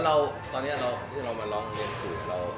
แล้วตอนนี้เรามาลองเรียนคุณ